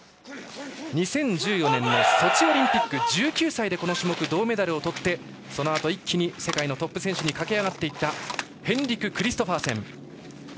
２０１４年のソチオリンピック１９歳でこの種目銅メダルをとってそのあと世界のトップ選手に駆け上がったヘンリク・クリストファーセン。